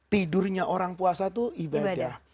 tidurnya orang puasa itu ibadah